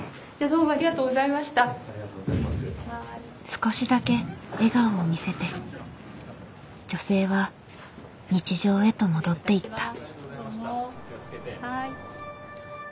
少しだけ笑顔を見せて女性は日常へと戻っていった。